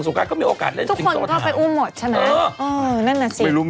ทุกคนเขาไปอู้มหมดใช่ไหม